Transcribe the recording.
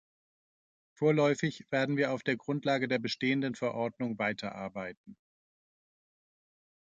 Vorläufig werden wir auf der Grundlage der bestehenden Verordnung weiterarbeiten.